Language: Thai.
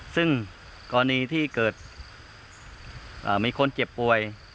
ซึ่งกรณีที่เกิดมีคนเจ็บป่วย